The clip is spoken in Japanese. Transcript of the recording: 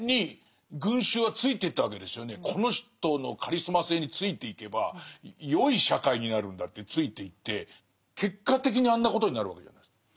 この人のカリスマ性についていけばよい社会になるんだってついていって結果的にあんなことになるわけじゃないですか。